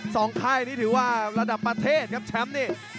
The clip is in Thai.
ค่ายนี่ถือว่าระดับประเทศครับแชมป์นี่